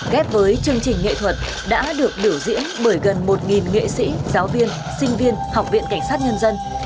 ghép với chương trình nghệ thuật đã được biểu diễn bởi gần một nghệ sĩ giáo viên sinh viên học viện cảnh sát nhân dân